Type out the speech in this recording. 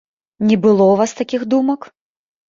Не было ў вас такіх думак?